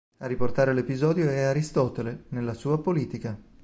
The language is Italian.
A riportare l'episodio è Aristotele, nella sua "Politica".